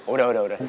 udah udah udah